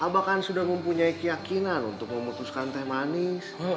abah kan sudah mempunyai keyakinan untuk memutuskan teh manis